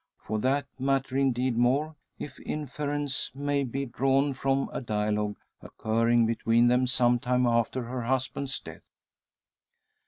For that, matter indeed more; if inference may be drawn from a dialogue occurring between them some time after her husband's death.